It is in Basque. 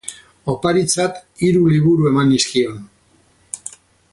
Oparitzat hiru liburu eman nizkion.